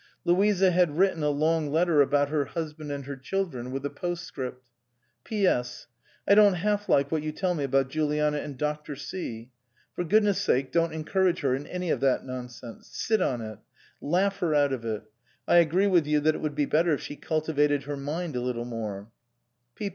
Louisa had written a long letter about her husband and her child ren, with a postscript. "P.S. I don't half like what you tell me about Juliana and Dr. C . For goodness' sake don't encourage her in any of that non sense. Sit on it. Laugh her out of it. I agree with you that it would be better if she cultivated her mind a little more.